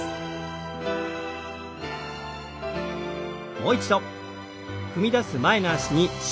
もう一度。